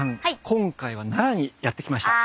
今回は奈良にやって来ました。